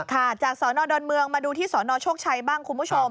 ค่ะจากสนดอนเมืองมาดูที่สนโชคชัยบ้างคุณผู้ชม